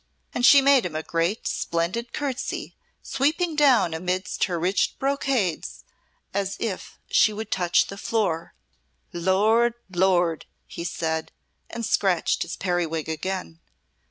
And she made him a great, splendid courtesy, sweeping down amidst her rich brocades as if she would touch the floor. "Lord! Lord!" he said, and scratched his periwig again.